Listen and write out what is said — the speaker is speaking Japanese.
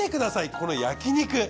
この焼き肉。